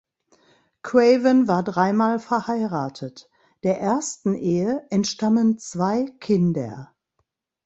Craven war dreimal verheiratet; der ersten Ehe entstammen zwei Kinder.